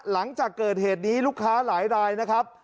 หลังจากเกิดเหตุนี้ลูกค้าหลายรายนะครับ